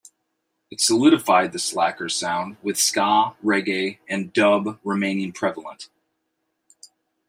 It solidified the Slackers' sound, with ska, reggae, and dub remaining prevalent.